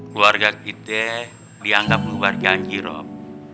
keluarga kita dianggap keluarga anji rob